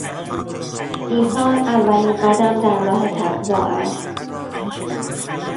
ایثار اولین قدم در راه تقوا است.